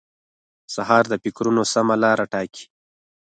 سهار د فکرونو سمه لار ټاکي.